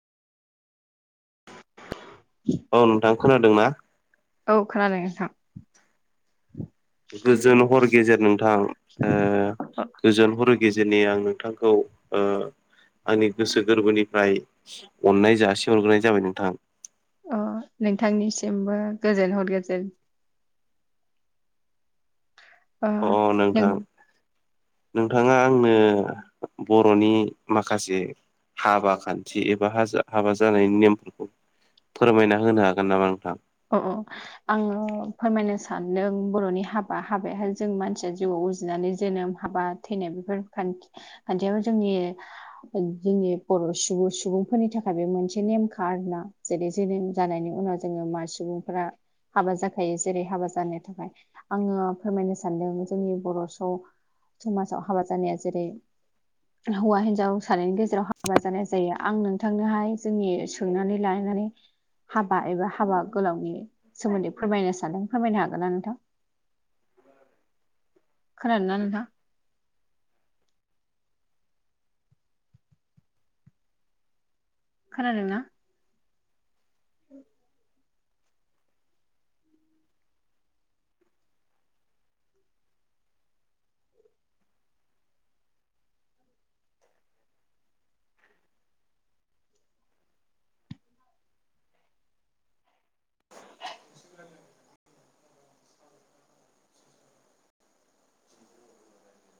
दों ना। औ खोनादों नोंथां। गोजोन हर गेजेर नोंथां गोजोन हर गेजेरनि आं। बिथांखौ ओ आंनि गोसो गोरबोनिफ्राय अननाय जासिहरग्रोनाय जाबाय नोंथां। अ नोंथांनिसिमबो गोजोन हर गोजोन। ओ अ नों नोंथां। नोंथाङा आंनो बर'नि माखासे हाबा खान्थि एबा हाबा जानायनि नेमफोरखौ फोरमायना होनो हागोन नामा नोंथां अ अ आङो फोरमायनो सानदों बर'नि हाबा हाबायाहाय जों मानसिया जिउआव उजिनानै जोनोम हाबा। थैनाय बेफोर खान्थियाव जोंनि जोंनि बर' सुबुं सुबुंफोरनि थाखाय बे मोनसे नेमखा आरना जेरै जोनोम जानायनि उनाव जोङो मा सुबुंफ्रा हाबा जाखायो जेरै हाबा जानो थाखाय आङो फोरमायनो सानदों जोंनि बर' स समाजाव हाबा जानाया जेरै हौवा हिनजाव सानायनि गेजेराव हाबा जानाय जायो आं नोंथांनोहाय जोंनि सोंनानै लनानै हाबा एबा हाबा गोलावनि सोमोन्दै फोरमायनो सानदों फोरमायनो हागोन नना नोंथां खाननानैोंथा खोनादों नना